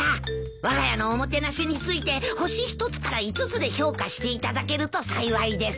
わが家のおもてなしについて星一つから五つで評価していただけると幸いです。